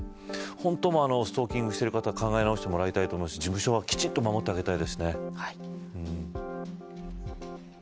本当にストーキングしている方考え直してもらいたいと思いますし事務所はきちんと守ってあげたいですね。